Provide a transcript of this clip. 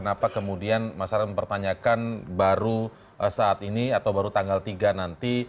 kenapa kemudian masyarakat mempertanyakan baru saat ini atau baru tanggal tiga nanti